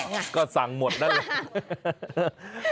ก็ก็สั่งหมดนั่นเลย